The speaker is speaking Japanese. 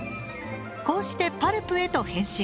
こうしてパルプへと変身。